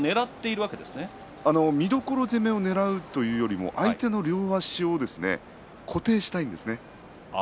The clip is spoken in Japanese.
三所攻めをねらうというよりも相手の両足を固定したいんですね。